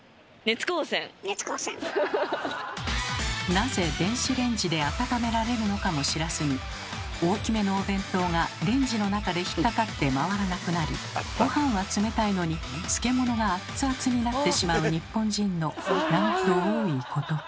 なぜ電子レンジで温められるのかも知らずに大きめのお弁当がレンジの中で引っ掛かって回らなくなり御飯は冷たいのに漬け物がアッツアツになってしまう日本人のなんと多いことか。